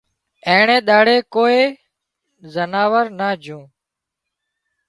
اينڻي ۮاڙي ڪوئي زناور نا جھون